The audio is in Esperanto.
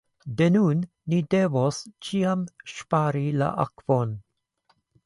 De nun, ni devos ĉiam ŝpari la akvon.